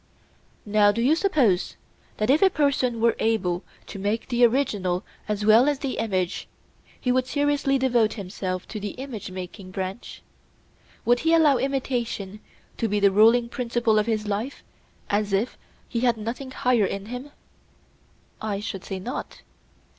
Now do you suppose that if a person were able to make the original as well as the image, he would seriously devote himself to the image making branch? Would he allow imitation to be the ruling principle of his life, as if he had nothing higher in him? I should say not.